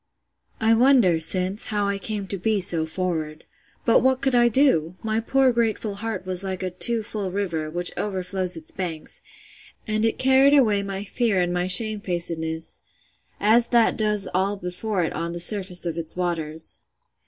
I wonder, since, how I came to be so forward. But what could I do?—My poor grateful heart was like a too full river, which overflows its banks: and it carried away my fear and my shamefacedness, as that does all before it on the surface of its waters!